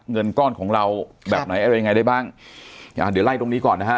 เงินก้อนของเราแบบไหนอะไรยังไงได้บ้างอ่าเดี๋ยวไล่ตรงนี้ก่อนนะฮะ